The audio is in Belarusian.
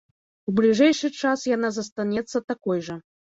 У бліжэйшы час яна застанецца такой жа.